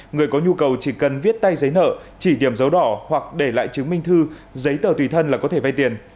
người có nhu cầu chỉ cần viết tay giấy nợ chỉ điểm dấu đỏ hoặc để lại chứng minh thư giấy tờ tùy thân là có thể vay tiền